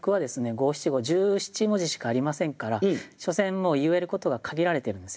五七五十七文字しかありませんから所詮もう言えることが限られてるんですよ。